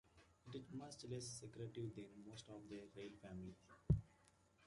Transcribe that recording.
It is much less secretive than most of the rail family.